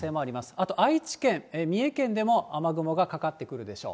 あと愛知県、三重県でも雨雲がかかってくるでしょう。